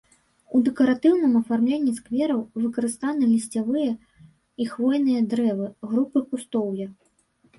У дэкаратыўным афармленні сквераў выкарыстаны лісцевыя і хвойныя дрэвы, групы кустоўя.